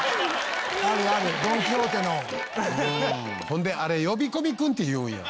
ほんであれ呼び込み君っていうんや。